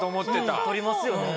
取りますよね。